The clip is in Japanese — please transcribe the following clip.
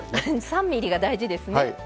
３ｍｍが大事ですね。